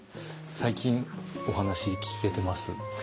最近お話聞けてます？